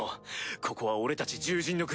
ここは俺たち獣人の国。